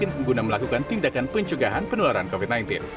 mengguna melakukan tindakan pencugahan penularan covid sembilan belas